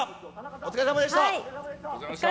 お疲れさまでした。